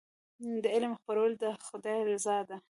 د علم خپرول د خدای رضا ده.